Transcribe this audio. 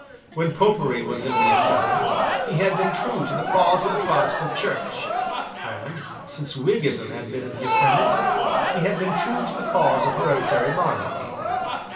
When Popery was in the ascendent, he had been true to the cause of the Protestant Church; and, since Whiggism had been in the ascendent, he had been true to the cause of hereditary monarchy.